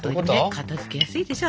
片づけやすいでしょ